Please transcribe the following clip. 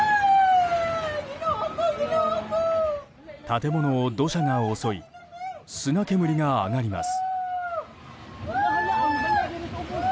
建物を土砂が襲い砂煙が上がります。